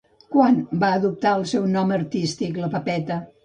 Quan va adoptar el seu nom artístic la Pepeta?